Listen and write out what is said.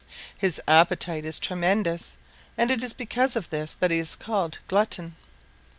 His appetite is tremendous, and it is because of this that he is called Glutton.